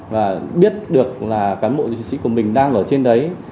và biết được là cán bộ chiến sĩ của mình đang ở trên đấy